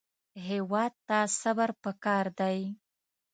هېواد ته صبر پکار دی